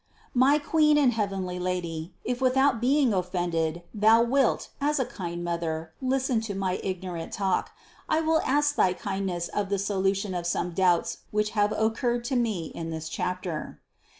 354. My Queen and heavenly Lady, if without being offended, Thou wilt, as a kind Mother, listen to my ig norant talk, I will ask of thy kindness the solution of some doubts which have occurred to me in this chapter.